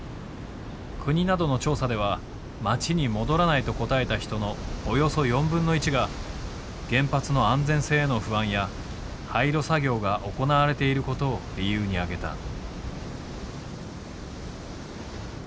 国などの調査では町に戻らないと答えた人のおよそ４分の１が原発の安全性への不安や廃炉作業が行われていることを理由に挙げた。